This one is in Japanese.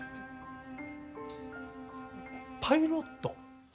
パイロット？